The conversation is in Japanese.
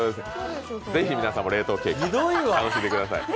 是非皆さんも冷凍ケーキ、楽しんでください。